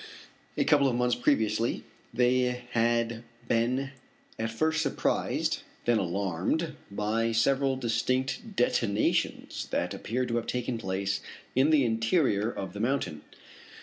A couple of months previously they had been at first surprised, then alarmed, by several distinct detonations that appeared to have taken place in the interior of the mountain.